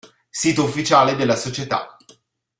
Sito ufficiale della società